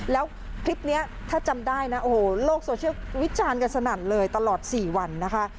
แล้วคลิปนี้ถ้าจำได้นะโอ้โหโลกโซเชียลวิจารณ์กันสนั่นเลยตลอด๔วันนะคะ